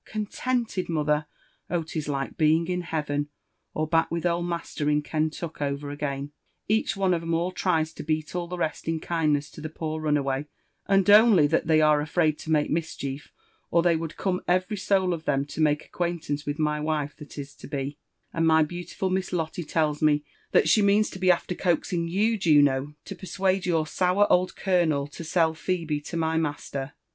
Contented, mother l < oh, 'tis like being in heaven, or back with old master in Ken tuck over again. Each one of 'em all tries to beat M the rest in kindness to the poor runaway ; and only that they are afraid to make mischief, or they would eome every soul of them to make acquaintance with my wife that is to be : and my beautiful Hiss Lotte tells me that she means to be after eoaxiogyou, Juno, to persuade your sour old colonel to sell Phebe to my master.